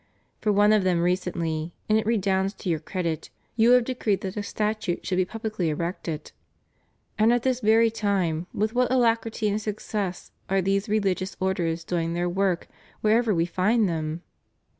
For one of them recently, and it redounds to your credit, you have decreed that a statue should be pubHcly erected. And at this very time, with what alacrity and success are these rehg ious orders doing their work wherever we find them!